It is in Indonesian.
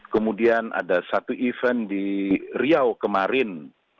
kemudian ada satu event di riau kemarin